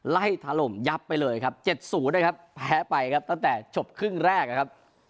ถล่มยับไปเลยครับ๗๐นะครับแพ้ไปครับตั้งแต่จบครึ่งแรกนะครับ